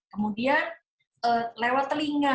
kemudian lewat telinga